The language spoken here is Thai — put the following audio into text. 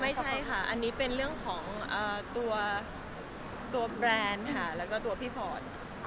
ไม่ใช่ค่ะอันนี้เป็นเรื่องของตัวแบรนด์ค่ะแล้วก็ตัวพี่พอร์ต